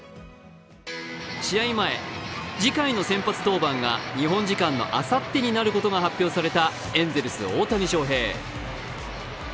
試合前、次回の先発登板が日本時間のあさってになることが発表されたエンゼルス・大谷翔平。